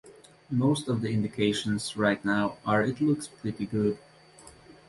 Most of the indications right now are it looks pretty good.